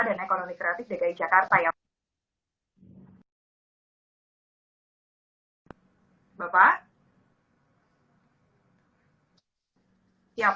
ekonomi kreatif dki jakarta ya pak